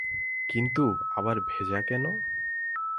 কিন্তু, আবার ভেজা কেন?